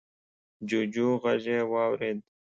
جوجو غږ يې واورېد.